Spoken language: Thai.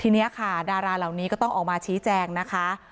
ทีนี้ค่ะดาราเหล่านี้ก็ต้องออกมาชี้แจงนะคะ